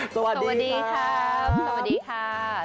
สวัสดีครับสวัสดีค่ะ